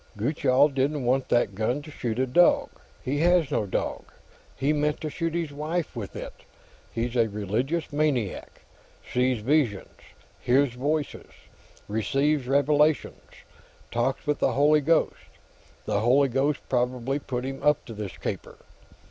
"Gutchall didn't want that gun to shoot a dog. He has no dog. He meant to shoot his wife with it. He's a religious maniac; sees visions, hears voices, receives revelations, talks with the Holy Ghost. The Holy Ghost probably put him up to this caper.